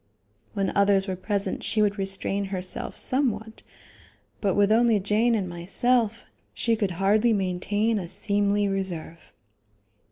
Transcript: When others were present she would restrain herself somewhat, but with only Jane and myself, she could hardly maintain a seemly reserve.